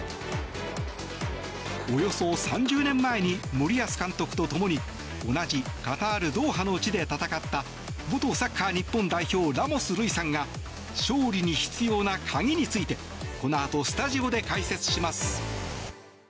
およそ３０年前に森保監督と共に同じカタール・ドーハの地で戦った元サッカー日本代表ラモス瑠偉さんが勝利に必要なカギについてこのあとスタジオで解説します。